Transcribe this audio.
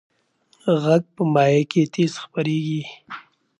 غږ په مایع کې تیز خپرېږي.